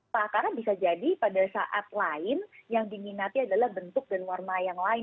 karena bisa jadi pada saat lain yang diminati adalah bentuk dan warna yang lain